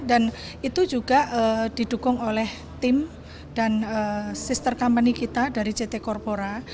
itu juga didukung oleh tim dan sister company kita dari ct corpora